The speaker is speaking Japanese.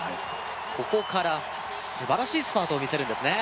ここから素晴らしいスパートをみせるんですね